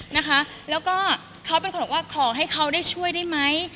นะคะแล้วก็เขาเป็นคนบอกว่าขอให้เขาได้ช่วยได้ไหม